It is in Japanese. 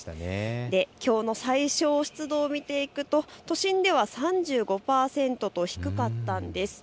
きょうの最小湿度を見ていくと都心では３５％と低かったんです。